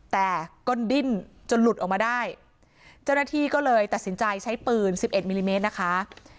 แต่ก็ดิ้นจนหลุดออกมาได้เจ้าหน้าที่ก็เลยตัดสินใจใช้ปืน๑๑มิลลิเมตรนะคะ